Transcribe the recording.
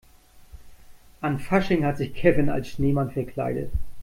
An Fasching hat sich Kevin als Schneemann verkleidet.